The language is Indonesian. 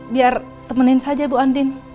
biar temenin saja bu andin